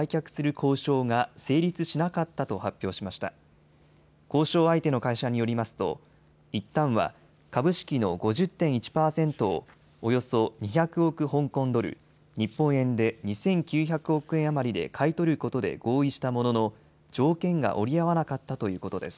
交渉相手の会社によりますといったんは株式の５０．１％をおよそ２００億香港ドル、日本円で２９００億円余りで買い取ることで合意したものの条件が折り合わなかったということです。